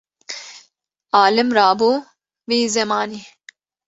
Alim rabû vî zemanî